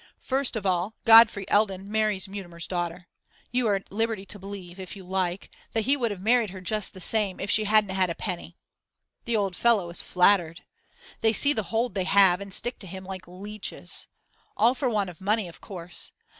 First of all, Godfrey Eldon marries Mutimer's daughter; you are at liberty to believe, if you like, that he would have married her just the same if she hadn't had a penny. The old fellow is flattered. They see the hold they have, and stick to him like leeches. All for want of money, of course.